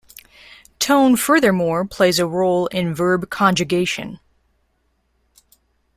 Tone furthermore plays a role in verb conjugation.